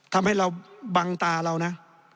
ทำให้เราบังตาเรานะ